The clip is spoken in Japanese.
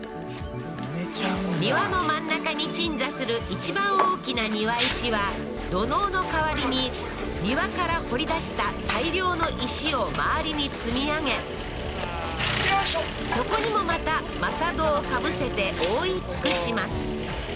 庭の真ん中に鎮座する一番大きな庭石は土のうの代わりに庭から掘り出した大量の石を周りに積み上げそこにもまた真砂土をかぶせて覆い尽くします